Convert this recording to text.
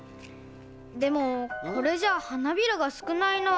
でもこれじゃあはなびらがすくないな。